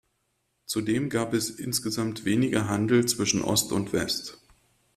Zudem gab es insgesamt weniger Handel zwischen Ost und West.